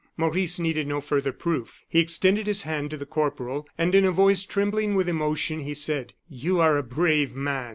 Maurice needed no further proof. He extended his hand to the corporal, and, in a voice trembling with emotion, he said: "You are a brave man!"